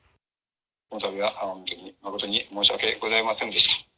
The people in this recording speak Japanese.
このたびは誠に申し訳ございませんでした。